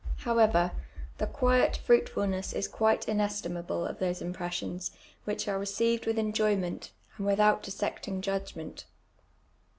1 lowovcr, the quiet fniitfulnoss IM quite inestimable of those imj)ressions, wliich are reeeived with enjoyment, and without dissecting jud«^ent.